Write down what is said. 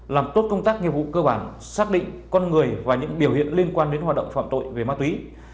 làm tốt công tác nghiệp vụ cơ bản xác định con người và những biểu hiện liên quan đến hoạt động phạm tội về ma túy